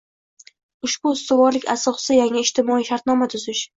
Ushbu ustuvorlik asosida yangi ijtimoiy shartnoma tuzish